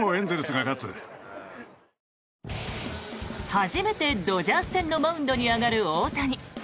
初めてドジャース戦のマウンドに上がる大谷。